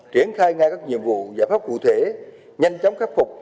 triển khai ngay các nhiệm vụ giải pháp cụ thể nhanh chóng khắc phục